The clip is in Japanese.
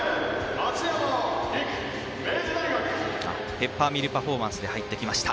ペッパーミルパフォーマンスで入ってきました。